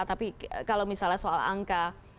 tapi kalau misalnya soal angka